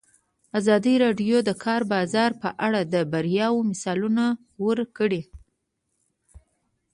ازادي راډیو د د کار بازار په اړه د بریاوو مثالونه ورکړي.